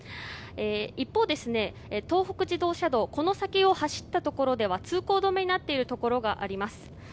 一方で、東北自動車道この先を走ったところでは通行止めになっているところがあります。